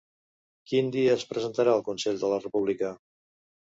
Quin dia es presentarà el Consell de la República?